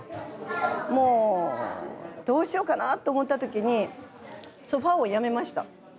もうどうしようかなって思った時にソファをやめました。